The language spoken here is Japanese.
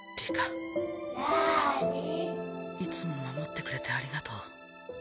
いつも守ってくれてありがとう。